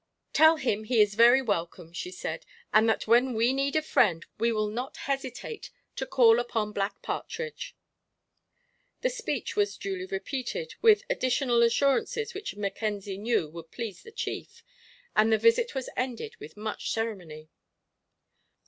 "Tell him he is very welcome," she said, "and that when we need a friend we will not hesitate to call upon Black Partridge." The speech was duly repeated, with additional assurances which Mackenzie knew would please the chief, and the visit was ended with much ceremony.